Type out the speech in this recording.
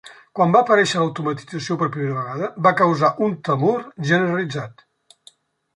Quan va aparèixer l'automatització per primera vegada, va causar un temor generalitzat.